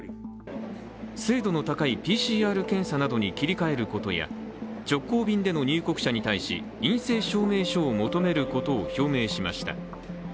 精度の高いＰＣＲ検査などに切り替えることや直行便での入国者に対し、陰性証明書を求めることを表明しました。